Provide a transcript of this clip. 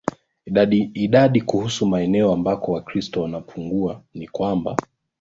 idadi Kuhusu maeneo ambako Wakristo wanapungua ni kwamba